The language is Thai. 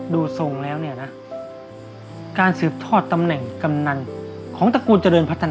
ดูทรงแล้วเนี่ยนะการสืบทอดตำแหน่งกำนันของตระกูลเจริญพัฒนา